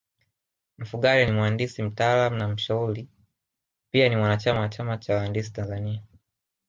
Mfugale ni mhandisi mtaalamu na mshauri Pia ni mwanachama wa chama cha wahandisi Tanzania